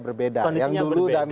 berbeda yang dulu dan